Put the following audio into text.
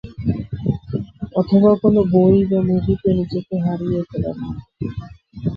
অথবা কোন বই বা মুভিতে নিজেকে হারিয়ে ফেলার মত।